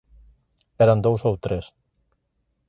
Eran dous ou tres.